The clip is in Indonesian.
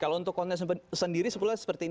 kalau untuk konten sendiri sebetulnya seperti ini